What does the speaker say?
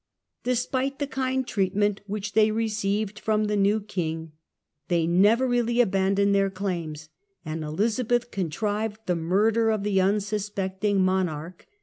Despite the kind treatment which they received from the new King, Murder of they never really abandoned their claims, and Elizabeth Charles ^.^,,^ III., 1386 contrived the murder of the unsuspecting monarch.